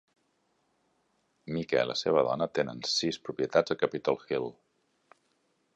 Mica i la seva dona tenen sis propietats a Capitol Hill.